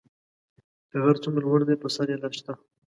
که غر څومره لوړ دی پر سر یې لار شته